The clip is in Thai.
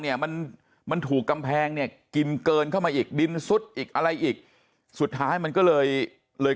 เนี่ยมันมันถูกกำแพงเนี่ยกินเกินเข้ามาอีกดินซุดอีกอะไรอีกสุดท้ายมันก็เลยเลย